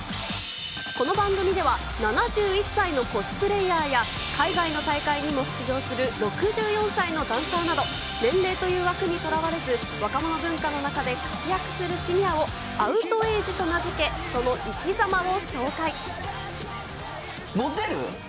この番組では、７１歳のコスプレーヤーや、海外の大会にも出場する６４歳のダンサーなど、年齢という枠にとらわれず、若者文化の中で活躍するシニアをアウトエイジと名付け、その生きもてる？